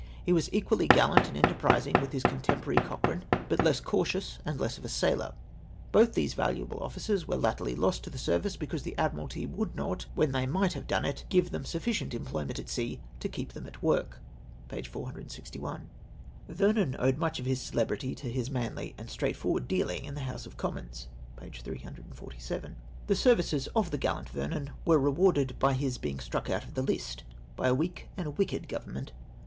He Avas equally gallant and enterprising with his contemporary, Cochrane, but less cautious and less of a sailor. Both these valuable officers were latterly lost to the service, because the Admiralty would not, wJien they mif/ht have done it, give them sufficient employment at sea to keep them at work." (p. 461.) " Vernon owed much of his celebrity to his manly and straightforward dealing in the House of Commons." (p. 347.) " The services of the gallant Vernon were rewarded by his being struck out of the list by a iveak and ivicked govern X 4 312 LORD COLLIXG WOODS OPINIOX. menf.